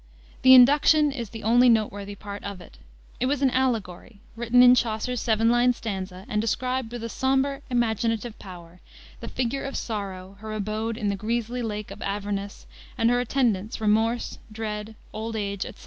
The Induction is the only noteworthy part of it. It was an allegory, written in Chaucer's seven lined stanza and described with a somber imaginative power, the figure of Sorrow, her abode in the "griesly lake" of Avernus and her attendants, Remorse, Dread, Old Age, etc.